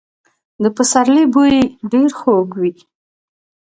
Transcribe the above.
د پسرلي بوی ډېر خوږ وي.